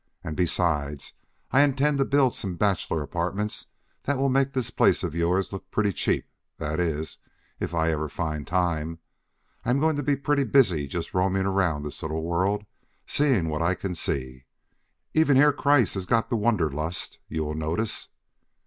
And, besides, I intend to build some bachelor apartments that will make this place of yours look pretty cheap, that is, if I ever find time. I am going to be pretty busy just roaming around this little world seeing what I can see. Even Herr Kreiss has got the wanderlust, you will notice."